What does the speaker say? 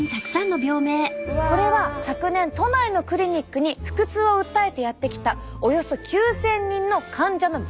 これは昨年都内のクリニックに腹痛を訴えてやって来たおよそ９，０００人の患者の病名です。